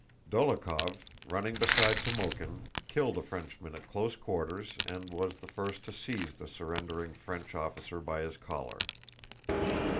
Dólokhov, running beside Timókhin, killed a Frenchman at close quarters and was the first to seize the surrendering French officer by his collar.